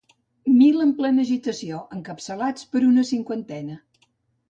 Mil en plena agitació, encapçalats per una cinquantena.